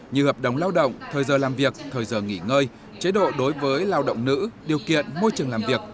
như hợp đồng lao động thời giờ làm việc thời giờ nghỉ ngơi chế độ đối với lao động nữ điều kiện môi trường làm việc